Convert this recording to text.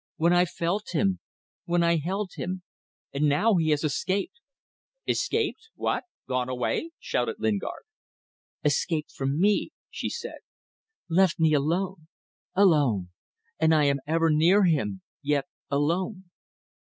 When I felt him. When I held him. ... And now he has escaped." "Escaped? What? Gone away!" shouted Lingard. "Escaped from me," she said; "left me alone. Alone. And I am ever near him. Yet alone."